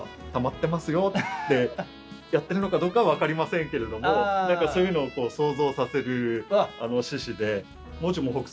よってやってるのかどうかは分かりませんけれども何かそういうのを想像させる獅子で。